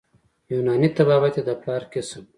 یوناني طبابت یې د پلار کسب وو.